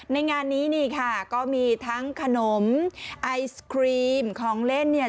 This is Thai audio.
ในงานนี้นี่ค่ะก็มีทั้งขนมไอศครีมของเล่นเนี่ย